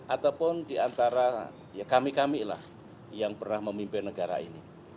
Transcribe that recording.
ataupun diantara ya kami kamilah yang pernah memimpin negara ini